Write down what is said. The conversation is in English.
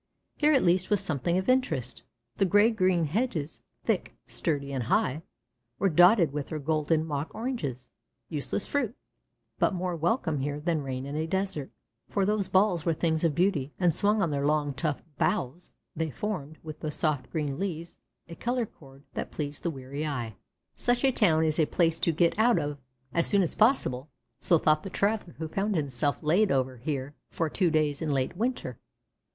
Here at least was something of interest the gray green hedges, thick, sturdy, and high, were dotted with their golden mock oranges, useless fruit, but more welcome here than rain in a desert; for these balls were things of beauty, and swung on their long tough boughs they formed with the soft green leaves a color chord that pleased the weary eye. Such a town is a place to get out of, as soon as possible, so thought the traveller who found himself laid over here for two days in late winter.